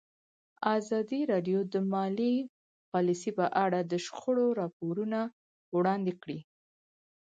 ازادي راډیو د مالي پالیسي په اړه د شخړو راپورونه وړاندې کړي.